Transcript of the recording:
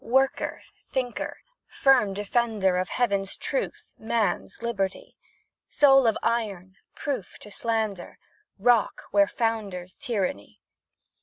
Worker, thinker, firm defender Of Heaven's truth man's liberty; Soul of iron proof to slander, Rock where founders tyranny.